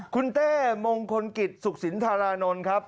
คุณเต้มงคลกิจสุขสินธารานนท์ครับ